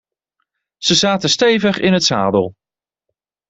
Ze zaten stevig in het zadel.